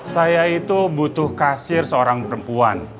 saya itu butuh kasir seorang perempuan